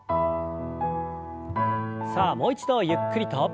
さあもう一度ゆっくりと。